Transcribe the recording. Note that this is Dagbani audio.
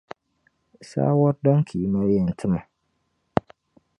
Saawɔr' dini ka yi mali yɛn ti ma?